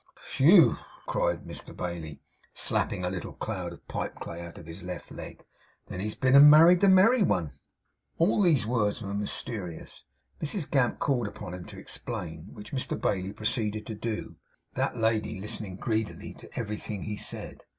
'Whew!' cried Mr Bailey, slapping a little cloud of pipe clay out of his left leg, 'then he's been and married the merry one!' As these words were mysterious, Mrs Gamp called upon him to explain, which Mr Bailey proceeded to do; that lady listening greedily to everything he said.